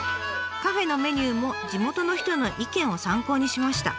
カフェのメニューも地元の人の意見を参考にしました。